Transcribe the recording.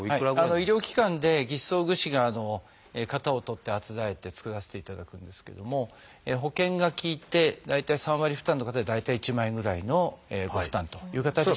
医療機関で義肢装具士が型を取ってあつらえて作らせていただくんですけども保険が利いて大体３割負担の方で大体１万円ぐらいのご負担という形に。